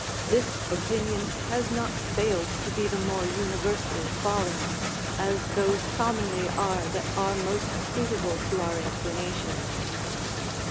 This opinion has not failed to be the more universally followed, as those commonly are that are most suitable to our inclinations.